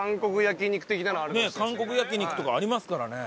ねえ韓国焼肉とかありますからね。